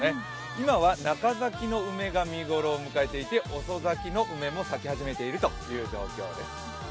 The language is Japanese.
今は中咲きの梅が見頃を迎えていて、遅咲きの梅も咲き始めているという状況です。